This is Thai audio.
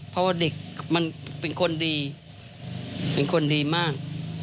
เพราะว่าเด็กมันเป็นคนดีเป็นคนดีมาก